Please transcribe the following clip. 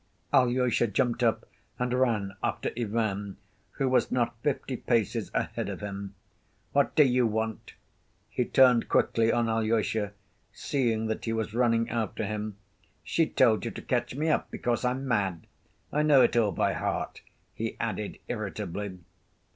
Alyosha jumped up and ran after Ivan, who was not fifty paces ahead of him. "What do you want?" He turned quickly on Alyosha, seeing that he was running after him. "She told you to catch me up, because I'm mad. I know it all by heart," he added irritably.